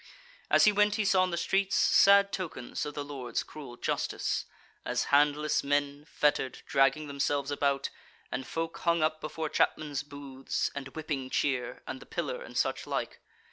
As he went he saw in the streets sad tokens of the lord's cruel justice, as handless men, fettered, dragging themselves about, and folk hung up before chapmen's booths, and whipping cheer, and the pillar, and such like.